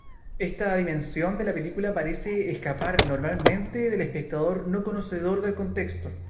Esta dimensión de la película parecer escapar normalmente del espectador no conocedor del contexto.